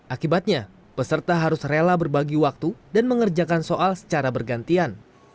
akibatnya peserta harus rela berbagi waktu dan mengerjakan soal secara bergantian